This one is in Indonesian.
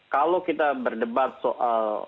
kalau kita berdebat soal